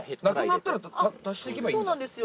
そうなんですよ。